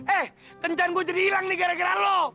eh kencan gue jadi hilang nih gara gara lo